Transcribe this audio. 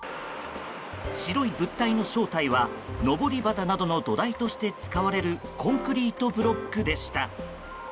白い物体の正体はのぼり旗などの土台として使われるコンクリートブロックでした。